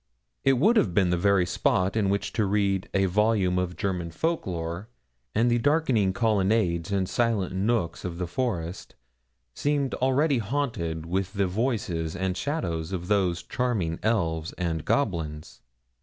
It would have been the very spot in which to read a volume of German folk lore, and the darkening colonnades and silent nooks of the forest seemed already haunted with the voices and shadows of those charming elves and goblins.